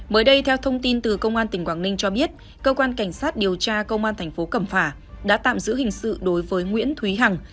mới đây theo thông tin từ công an tỉnh quảng ninh cho biết cơ quan cảnh sát điều tra công an thành phố cẩm phả đã tạm giữ hình sự đối với nguyễn thúy hằng